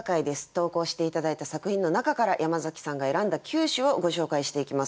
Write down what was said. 投稿して頂いた作品の中から山崎さんが選んだ九首をご紹介していきます。